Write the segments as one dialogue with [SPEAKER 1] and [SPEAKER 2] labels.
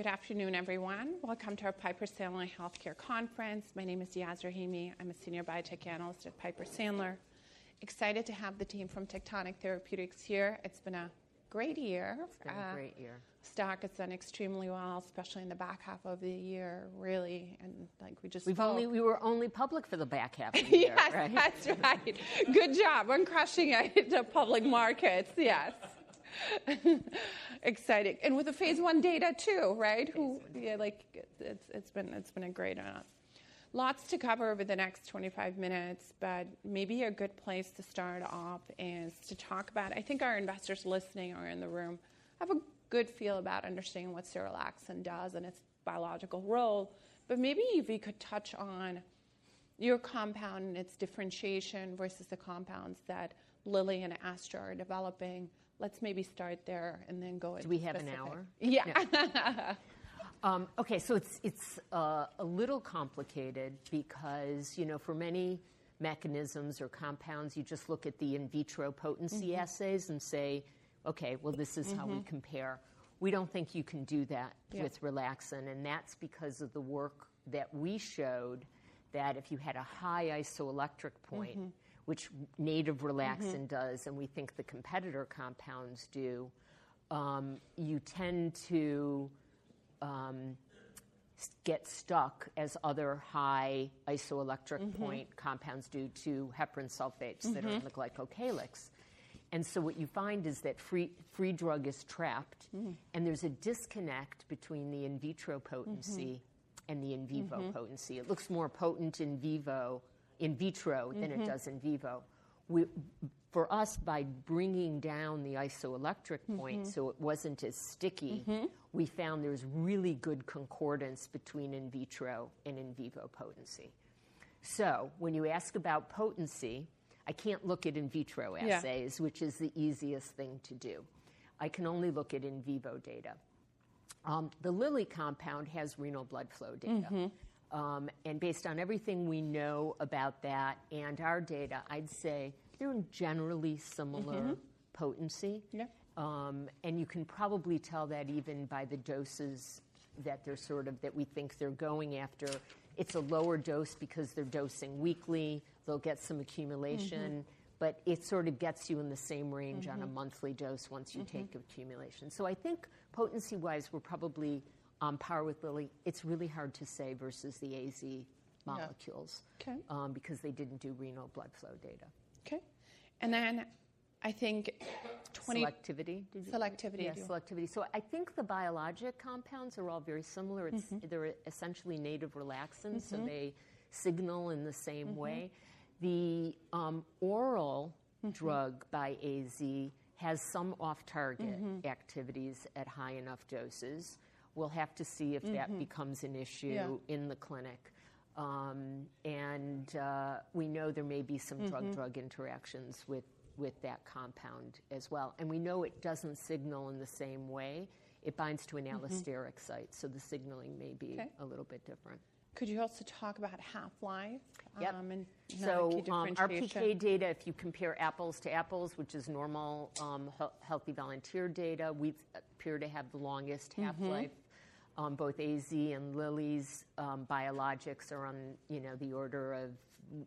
[SPEAKER 1] Good afternoon, everyone. Welcome to our Piper Sandler Healthcare Conference. My name is Yaz Rahimi. I'm a Senior Biotech Analyst at Piper Sandler. Excited to have the team from Tectonic Therapeutics here. It's been a great year.
[SPEAKER 2] It's been a great year.
[SPEAKER 1] Stock has done extremely well, especially in the back half of the year, really, and we just.
[SPEAKER 2] We were only public for the back half of the year.
[SPEAKER 1] That's right. Good job on crushing it to public markets. Yes. Exciting. And with the phase I data too, right? It's been a great amount. Lots to cover over the next 25 minutes, but maybe a good place to start off is to talk about, I think our investors listening are in the room, have a good feel about understanding what serelaxin does and its biological role. But maybe if we could touch on your compound and its differentiation versus the compounds that Lilly and Astra are developing. Let's maybe start there and then go into.
[SPEAKER 2] Do we have an hour?
[SPEAKER 1] Yeah.
[SPEAKER 2] Okay. So it's a little complicated because for many mechanisms or compounds, you just look at the in vitro potency assays and say, "Okay, well, this is how we compare." We don't think you can do that with relaxin. And that's because of the work that we showed that if you had a high isoelectric point, which native relaxin does, and we think the competitor compounds do, you tend to get stuck as other high isoelectric point compounds do to heparan sulfates that don't look like glycocalyx. And so what you find is that free drug is trapped, and there's a disconnect between the in vitro potency and the in vivo potency. It looks more potent in vitro than it does in vivo. For us, by bringing down the isoelectric point so it wasn't as sticky, we found there was really good concordance between in vitro and in vivo potency. So when you ask about potency, I can't look at in vitro assays, which is the easiest thing to do. I can only look at in vivo data. The Lilly compound has renal blood flow data. And based on everything we know about that and our data, I'd say they're generally similar potency. And you can probably tell that even by the doses that we think they're going after. It's a lower dose because they're dosing weekly. They'll get some accumulation, but it sort of gets you in the same range on a monthly dose once you take accumulation. So I think potency-wise, we're probably on par with Lilly. It's really hard to say versus the AZ molecules because they didn't do renal blood flow data.
[SPEAKER 1] Okay, and then I think.
[SPEAKER 2] Selectivity, did you say?
[SPEAKER 1] Selectivity, yeah.
[SPEAKER 2] Yeah, selectivity. So I think the biologic compounds are all very similar. They're essentially native relaxin, so they signal in the same way. The oral drug by AZ has some off-target activities at high enough doses. We'll have to see if that becomes an issue in the clinic. And we know there may be some drug-drug interactions with that compound as well. And we know it doesn't signal in the same way. It binds to an allosteric site, so the signaling may be a little bit different.
[SPEAKER 1] Could you also talk about half-life and how it can differentiate?
[SPEAKER 2] Our PK data, if you compare apples to apples, which is normal healthy volunteer data, we appear to have the longest half-life. Both AZ and Lilly's biologics are on the order of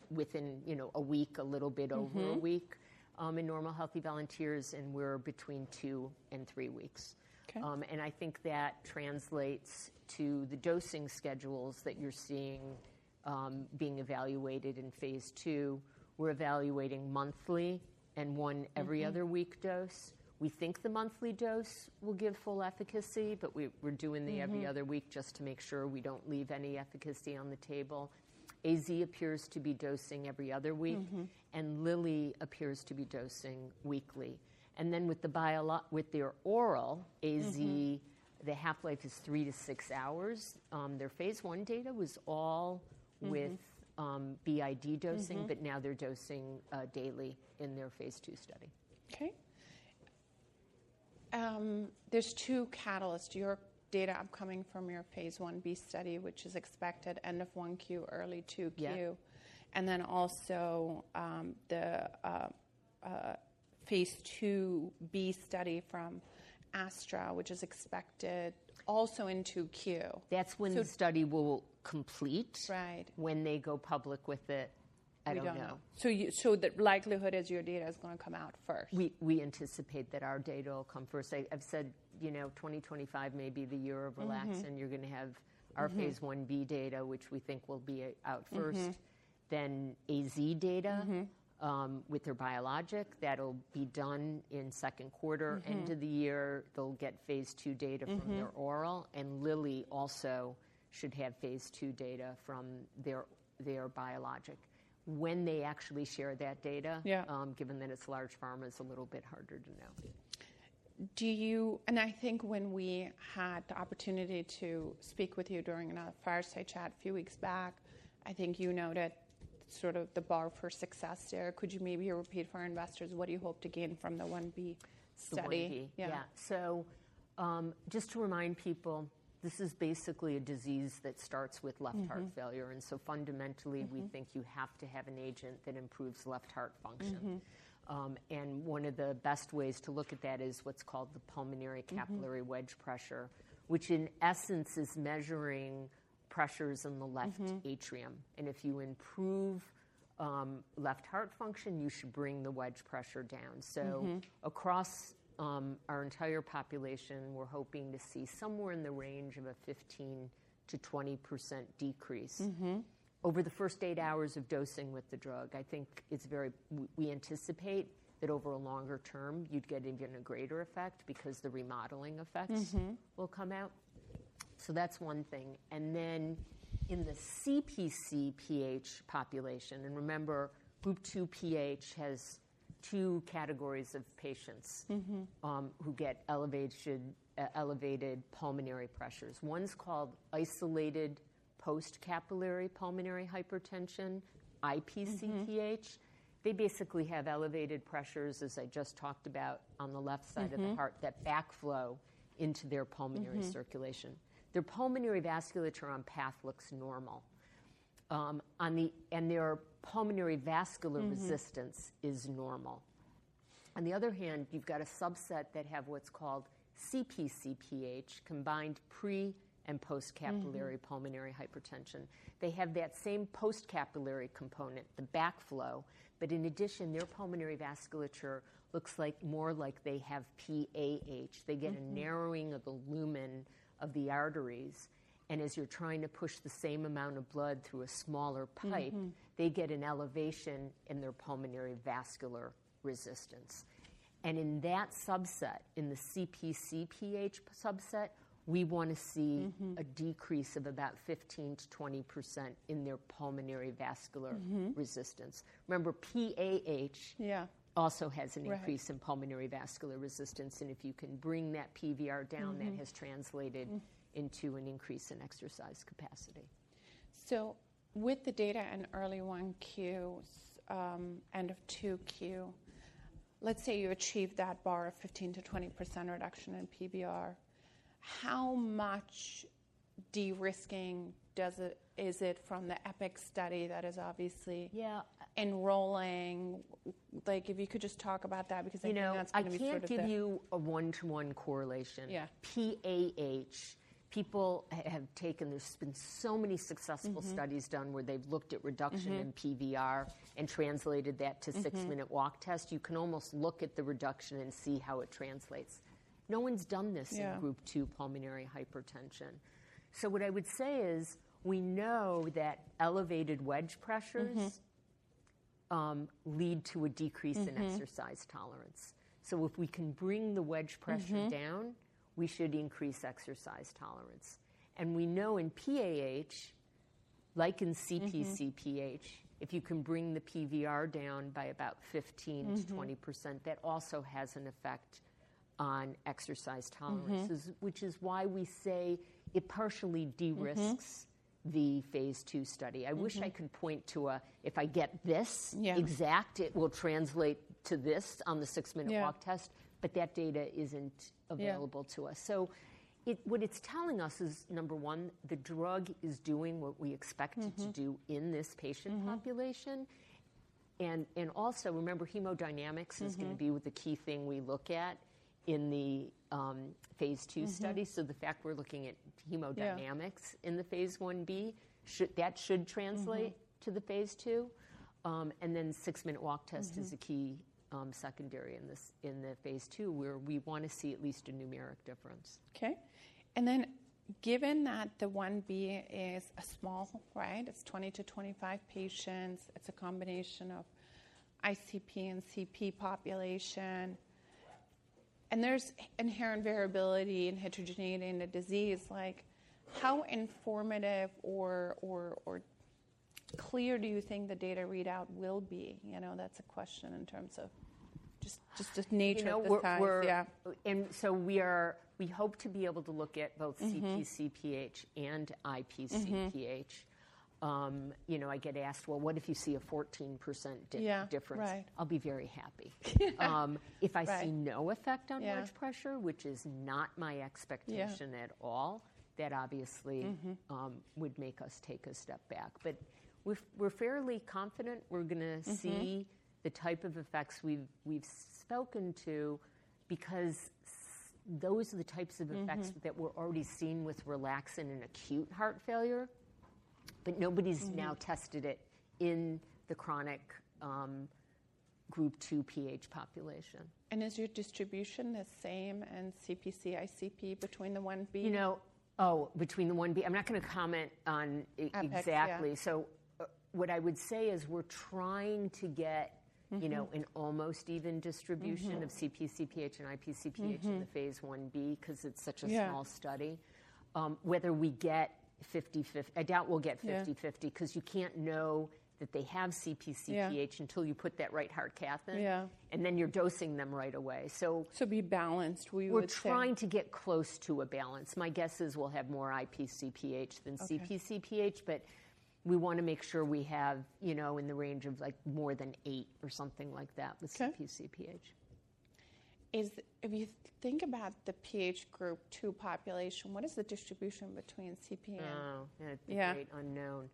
[SPEAKER 2] within a week, a little bit over a week in normal healthy volunteers, and we're between two and three weeks. And I think that translates to the dosing schedules that you're seeing being evaluated in phase II. We're evaluating monthly and one every other week dose. We think the monthly dose will give full efficacy, but we're doing the every other week just to make sure we don't leave any efficacy on the table. AZ appears to be dosing every other week, and Lilly appears to be dosing weekly. And then with their oral AZ, the half-life is three to six hours. Their phase I data was all with BID dosing, but now they're dosing daily in their phase II study.
[SPEAKER 1] Okay. There's two catalysts. Your data are coming from your phase I-B study, which is expected end of one Q, early two Q, and then also the phase II-B study from Astra, which is expected also in two Q.
[SPEAKER 2] That's when the study will complete. When they go public with it, I don't know.
[SPEAKER 1] So the likelihood is your data is going to come out first.
[SPEAKER 2] We anticipate that our data will come first. I've said 2025 may be the year of relaxin. You're going to have our phase I-B data, which we think will be out first. Then AZ data with their biologic, that'll be done in second quarter, end of the year. They'll get phase II data from their oral, and Lilly also should have phase II data from their biologic. When they actually share that data, given that it's large pharma, is a little bit harder to know.
[SPEAKER 1] I think when we had the opportunity to speak with you during another Fireside Chat a few weeks back, I think you noted sort of the bar for success there. Could you maybe repeat for our investors, what do you hope to gain from the I-B study?
[SPEAKER 2] Just to remind people, this is basically a disease that starts with left heart failure. And so fundamentally, we think you have to have an agent that improves left heart function. And one of the best ways to look at that is what's called the pulmonary capillary wedge pressure, which in essence is measuring pressures in the left atrium. And if you improve left heart function, you should bring the wedge pressure down. So across our entire population, we're hoping to see somewhere in the range of a 15%-20% decrease over the first eight hours of dosing with the drug. I think we anticipate that over a longer term, you'd get even a greater effect because the remodeling effects will come out. So that's one thing. And then in the CpcPH population, and remember, Group 2 PH has two categories of patients who get elevated pulmonary pressures. One's called isolated postcapillary pulmonary hypertension, IpcPH. They basically have elevated pressures, as I just talked about, on the left side of the heart, that backflow into their pulmonary circulation. Their pulmonary vasculature on path looks normal, and their pulmonary vascular resistance is normal. On the other hand, you've got a subset that have what's called CpcPH, combined pre and postcapillary pulmonary hypertension. They have that same postcapillary component, the backflow, but in addition, their pulmonary vasculature looks more like they have PAH. They get a narrowing of the lumen of the arteries, as you're trying to push the same amount of blood through a smaller pipe, they get an elevation in their pulmonary vascular resistance, and in that subset, in the CpcPH subset, we want to see a decrease of about 15%-20% in their pulmonary vascular resistance. Remember, PAH also has an increase in pulmonary vascular resistance, and if you can bring that PVR down, that has translated into an increase in exercise capacity.
[SPEAKER 1] So with the data in early 1Q, end of 2Q, let's say you achieve that bar of 15%-20% reduction in PVR, how much de-risking is it from the APEX study that is obviously enrolling? If you could just talk about that because I think that's going to be sort of.
[SPEAKER 2] I can give you a one-to-one correlation. PAH, people have taken, there's been so many successful studies done where they've looked at reduction in PVR and translated that to Six-Minute Walk Test. You can almost look at the reduction and see how it translates. No one's done this in group two pulmonary hypertension, so what I would say is we know that elevated wedge pressures lead to a decrease in exercise tolerance. So if we can bring the wedge pressure down, we should increase exercise tolerance, and we know in PAH, like in CpcPH, if you can bring the PVR down by about 15%-20%, that also has an effect on exercise tolerance, which is why we say it partially de-risks the phase II study. I wish I could point to a - if I get this exact, it will translate to this on the Six-Minute Walk Test, but that data isn't available to us. So what it's telling us is, number one, the drug is doing what we expect it to do in this patient population. And also, remember, hemodynamics is going to be the key thing we look at in the phase II study. So the fact we're looking at hemodynamics in the phase I-B, that should translate to the phase II. And then Six-Minute Walk Test is a key secondary in the phase II where we want to see at least a numeric difference.
[SPEAKER 1] Okay. And then given that the phase I-B is small, right? It's 20-25 patients. It's a combination of ICP and CPC population. And there's inherent variability in heterogeneity in the disease. How informative or clear do you think the data readout will be? That's a question in terms of just the nature of the time.
[SPEAKER 2] And so we hope to be able to look at both CpcPH and IpcPH. I get asked, "Well, what if you see a 14% difference?" I'll be very happy. If I see no effect on wedge pressure, which is not my expectation at all, that obviously would make us take a step back. But we're fairly confident we're going to see the type of effects we've spoken to because those are the types of effects that were already seen with Relaxin in acute heart failure, but nobody's now tested it in the chronic Group 2 PH population.
[SPEAKER 1] Is your distribution the same in CpcPH and IpcPH between the I-B?
[SPEAKER 2] Oh, between the I-B? I'm not going to comment on exactly. So what I would say is we're trying to get an almost even distribution of CpcPH and IpcPH in the phase I-B because it's such a small study. Whether we get 50/50, I doubt we'll get 50/50 because you can't know that they have CpcPH until you put that right heart cath in, and then you're dosing them right away.
[SPEAKER 1] Be balanced.
[SPEAKER 2] We're trying to get close to a balance. My guess is we'll have more IpcPH than CpcPH, but we want to make sure we have in the range of more than eight or something like that with CpcPH.
[SPEAKER 1] If you think about the Group 2 PH population, what is the distribution between CPC and?
[SPEAKER 2] Oh, that's a great unknown.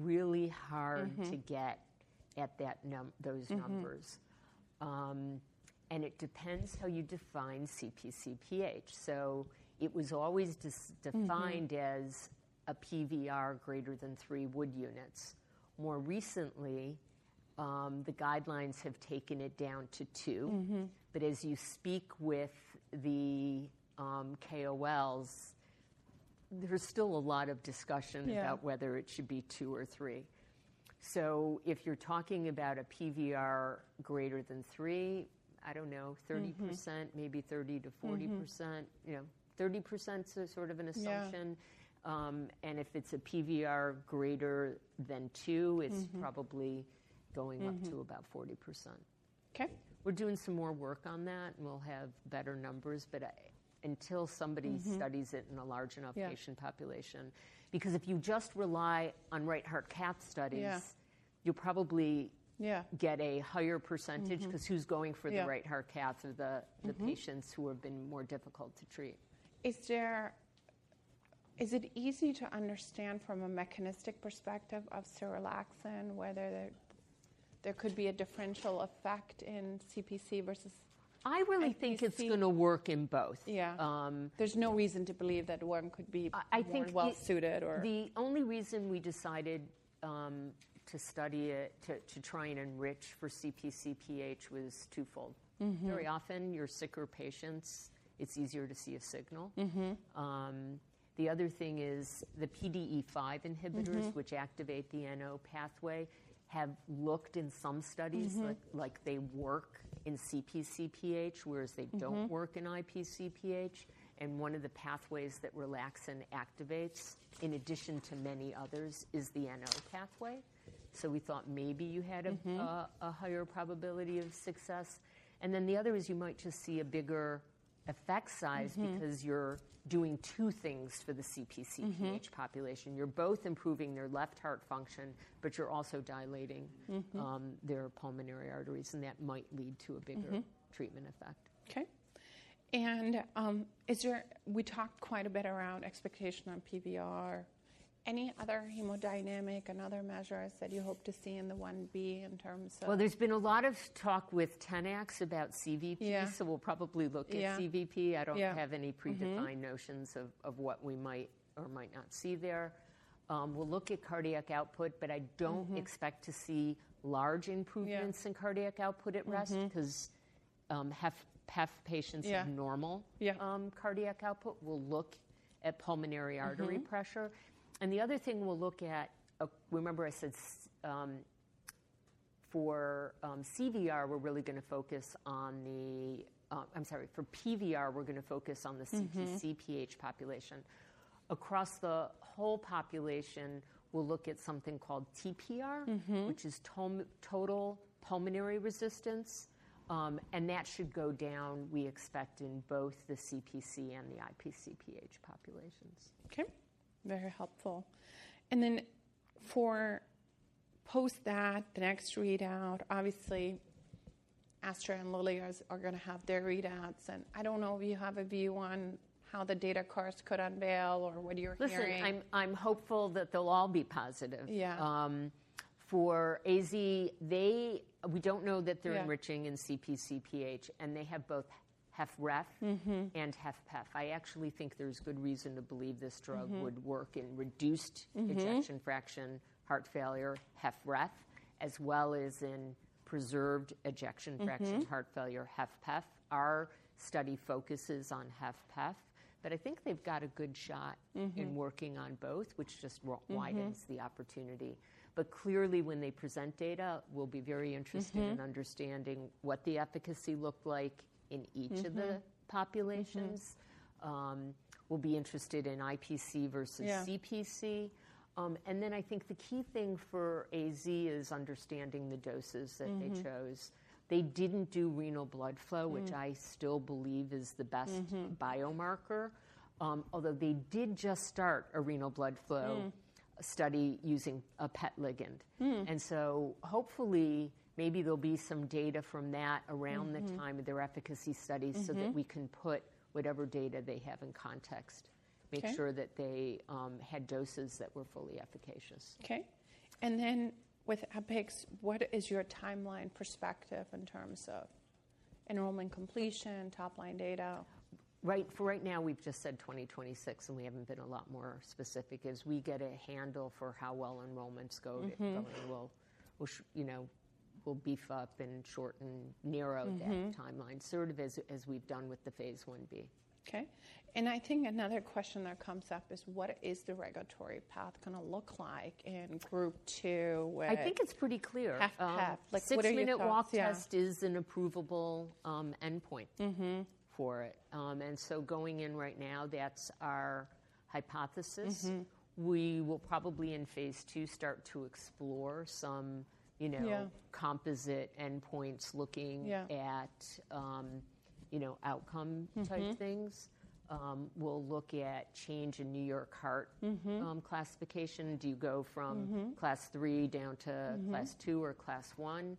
[SPEAKER 2] Really hard to get at those numbers. And it depends how you define CpcPH. So it was always defined as a PVR greater than three Wood units. More recently, the guidelines have taken it down to two. But as you speak with the KOLs, there's still a lot of discussion about whether it should be two or three. So if you're talking about a PVR greater than three, I don't know, 30%, maybe 30%-40%. 30% is sort of an assumption. And if it's a PVR greater than two, it's probably going up to about 40%. We're doing some more work on that, and we'll have better numbers, but until somebody studies it in a large enough patient population, because if you just rely on right heart cath studies, you'll probably get a higher percentage, because who's going for the right heart cath are the patients who have been more difficult to treat.
[SPEAKER 1] Is it easy to understand from a mechanistic perspective of serelaxin whether there could be a differential effect in CPC versus?
[SPEAKER 2] I really think it's going to work in both.
[SPEAKER 1] Yeah. There's no reason to believe that one could be well suited or.
[SPEAKER 2] The only reason we decided to study it, to try and enrich for CpcPH, was twofold. Very often, in sicker patients, it's easier to see a signal. The other thing is the PDE5 inhibitors, which activate the NO pathway, have looked in some studies like they work in CpcPH, whereas they don't work in IpcPH. And one of the pathways that Relaxin activates, in addition to many others, is the NO pathway. So we thought maybe you had a higher probability of success. And then the other is you might just see a bigger effect size because you're doing two things for the CpcPH population. You're both improving their left heart function, but you're also dilating their pulmonary arteries, and that might lead to a bigger treatment effect.
[SPEAKER 1] Okay, and we talked quite a bit around expectation on PVR. Any other hemodynamic and other measures that you hope to see in the 1B in terms of?
[SPEAKER 2] There's been a lot of talk with Tenax about CVP, so we'll probably look at CVP. I don't have any predefined notions of what we might or might not see there. We'll look at cardiac output, but I don't expect to see large improvements in cardiac output at rest because PEF patients have normal cardiac output. We'll look at pulmonary artery pressure. And the other thing we'll look at, remember I said for CVR, we're really going to focus on the. I'm sorry, for PVR, we're going to focus on the CpcPH population. Across the whole population, we'll look at something called TPR, which is total pulmonary resistance, and that should go down, we expect, in both the CPC and the IpcPH populations.
[SPEAKER 1] Okay. Very helpful, and then for post that, the next readout, obviously, Astra and Lilly are going to have their readouts, and I don't know if you have a view on how the data could unveil or what you're hearing.
[SPEAKER 2] Listen, I'm hopeful that they'll all be positive. For AZ, we don't know that they're enriching in CpcPH, and they have both HFrEF and HFpEF. I actually think there's good reason to believe this drug would work in reduced ejection fraction heart failure, HFrEF, as well as in preserved ejection fraction heart failure, HFpEF. Our study focuses on HFpEF, but I think they've got a good shot in working on both, which just widens the opportunity, but clearly, when they present data, we'll be very interested in understanding what the efficacy looked like in each of the populations. We'll be interested in IPC versus CPC, and then I think the key thing for AZ is understanding the doses that they chose. They didn't do renal blood flow, which I still believe is the best biomarker, although they did just start a renal blood flow study using a PET ligand. And so hopefully, maybe there'll be some data from that around the time of their efficacy study so that we can put whatever data they have in context, make sure that they had doses that were fully efficacious.
[SPEAKER 1] Okay. And then with APEX, what is your timeline perspective in terms of enrollment completion, top-line data?
[SPEAKER 2] Right now, we've just said 2026, and we haven't been a lot more specific. As we get a handle for how well enrollments go, we'll beef up and narrow that timeline, sort of as we've done with the phase I-B.
[SPEAKER 1] Okay, and I think another question that comes up is what is the regulatory path going to look like in group two?
[SPEAKER 2] I think it's pretty clear.
[SPEAKER 1] HFpEF, like Six-Minute Walk Test.
[SPEAKER 2] Six-Minute Walk Test is an approvable endpoint for it. And so going in right now, that's our hypothesis. We will probably in phase II start to explore some composite endpoints looking at outcome-type things. We'll look at change in New York Heart classification. Do you go from class three down to class two or class one?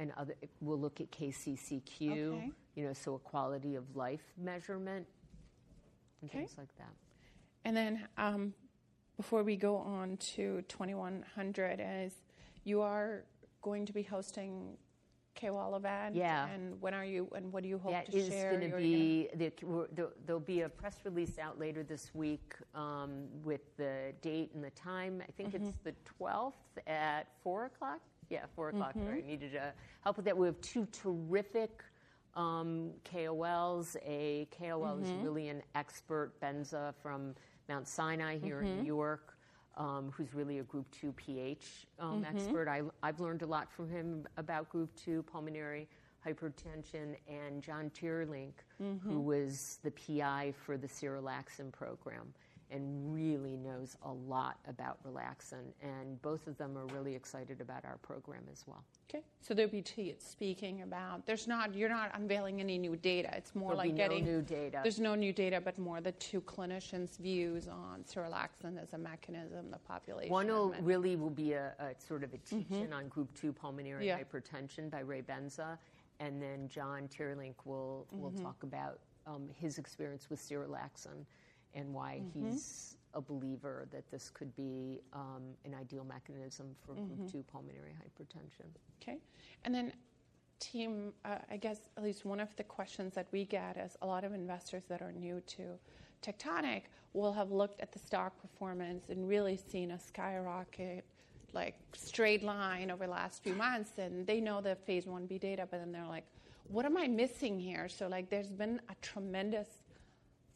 [SPEAKER 2] And we'll look at KCCQ, so a quality of life measurement and things like that.
[SPEAKER 1] Then before we go on to 2100, you are going to be hosting a KOL event, and when are you and what do you hope to share?
[SPEAKER 2] Yeah, it's going to be. There'll be a press release out later this week with the date and the time. I think it's the 12th at 4:00 P.M. Yeah, 4:00 P.M., where I needed to help with that. We have two terrific KOLs. A KOL is really an expert, Benza from Mount Sinai here in New York, who's really a Group 2 PH expert. I've learned a lot from him about Group 2 pulmonary hypertension and John Teerlink, who was the PI for the serelaxin program and really knows a lot about relaxin, and both of them are really excited about our program as well.
[SPEAKER 1] Okay. So there'll be two speaking about. You're not unveiling any new data. It's more like getting.
[SPEAKER 2] There's no new data.
[SPEAKER 1] There's no new data, but more the two clinicians' views on serelaxin as a mechanism of population.
[SPEAKER 2] One will really be sort of a teach-in on Group 2 pulmonary hypertension by Ray Benza. And then John Teerlink will talk about his experience with serelaxin and why he's a believer that this could be an ideal mechanism for Group 2 pulmonary hypertension.
[SPEAKER 1] Okay. And then, team, I guess at least one of the questions that we get is a lot of investors that are new to Tectonic will have looked at the stock performance and really seen a skyrocket straight line over the last few months. And they know the phase I-B data, but then they're like, "What am I missing here?" So there's been a tremendous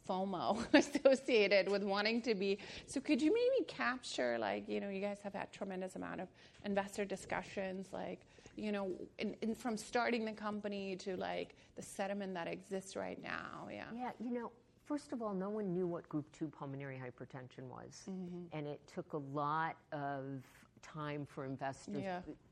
[SPEAKER 1] FOMO associated with wanting to be—so could you maybe capture—you guys have had a tremendous amount of investor discussions, from starting the company to the sentiment that exists right now. Yeah.
[SPEAKER 2] Yeah. You know, first of all, no one knew what Group 2 pulmonary hypertension was. And it took a lot of time for investors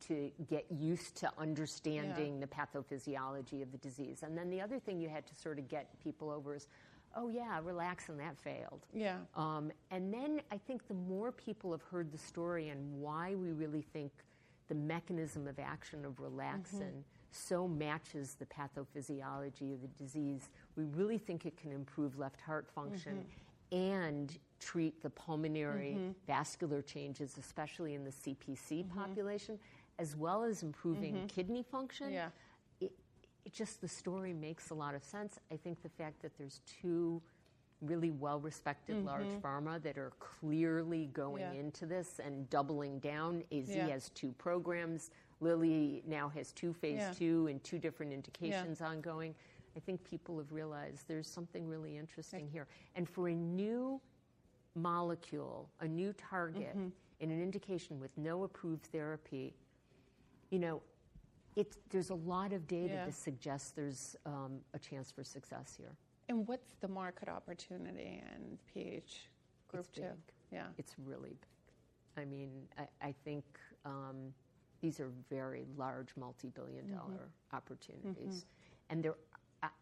[SPEAKER 2] to get used to understanding the pathophysiology of the disease. And then the other thing you had to sort of get people over is, "Oh yeah, relaxin, that failed." And then I think the more people have heard the story and why we really think the mechanism of action of relaxin so matches the pathophysiology of the disease, we really think it can improve left heart function and treat the pulmonary vascular changes, especially in the CPC population, as well as improving kidney function. Just the story makes a lot of sense. I think the fact that there's two really well-respected large pharma that are clearly going into this and doubling down, AZ has two programs, Lilly now has two phase II and two different indications ongoing. I think people have realized there's something really interesting here. And for a new molecule, a new target in an indication with no approved therapy, there's a lot of data that suggests there's a chance for success here.
[SPEAKER 1] What's the market opportunity in Group 2 PH?
[SPEAKER 2] It's really big. I mean, I think these are very large multi-billion dollar opportunities. And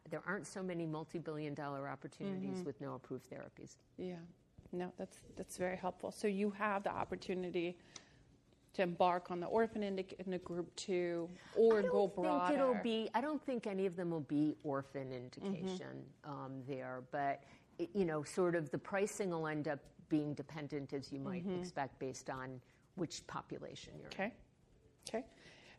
[SPEAKER 2] there aren't so many multi-billion dollar opportunities with no approved therapies.
[SPEAKER 1] Yeah. No, that's very helpful. So you have the opportunity to embark on the orphan in a Group 2 or go broader.
[SPEAKER 2] I don't think any of them will be orphan indication there, but sort of the pricing will end up being dependent, as you might expect, based on which population you're in.
[SPEAKER 1] Okay.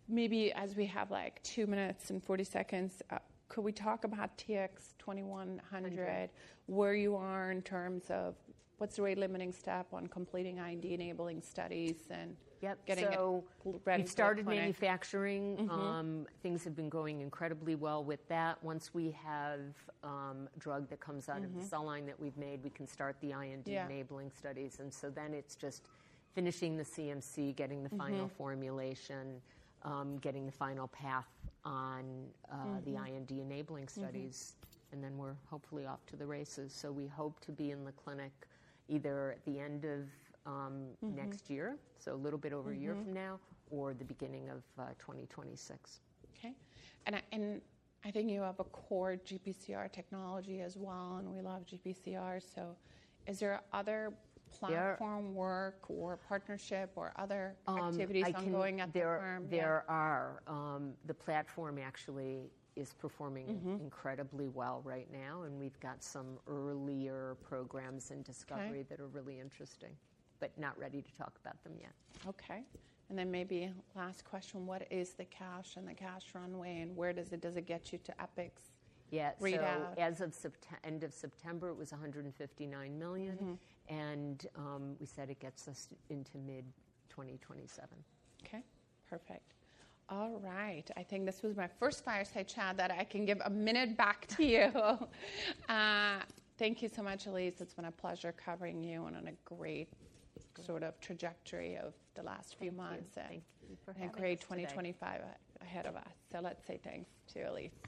[SPEAKER 1] Maybe as we have like two minutes and 40 seconds, could we talk about TX2100, where you are in terms of what's the rate limiting step on completing IND enabling studies and getting it ready for market?
[SPEAKER 2] Yep, so we've started manufacturing. Things have been going incredibly well with that. Once we have a drug that comes out of the cell line that we've made, we can start the IND enabling studies, and so then it's just finishing the CMC, getting the final formulation, getting the final path on the IND enabling studies, and then we're hopefully off to the races, so we hope to be in the clinic either at the end of next year, so a little bit over a year from now, or the beginning of 2026.
[SPEAKER 1] Okay. And I think you have a core GPCR technology as well, and we love GPCR. So is there other platform work or partnership or other activities ongoing at the firm?
[SPEAKER 2] There are. The platform actually is performing incredibly well right now, and we've got some earlier programs in discovery that are really interesting, but not ready to talk about them yet.
[SPEAKER 1] Okay, and then maybe last question: what is the cash and the cash runway, and where does it get you to APEX readouts?
[SPEAKER 2] Yeah. So as of end of September, it was $159 million, and we said it gets us into mid-2027.
[SPEAKER 1] Okay. Perfect. All right. I think this was my first Fireside Chat that I can give a minute back to you. Thank you so much, Alise. It's been a pleasure covering you and on a great sort of trajectory of the last few months and great 2025 ahead of us. So let's say thanks to Alise.